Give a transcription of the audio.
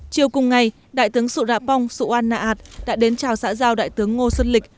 chiều cùng ngày đại tướng su ra pong su wan naat đã đến chào xã giao đại tướng ngô xuân lịch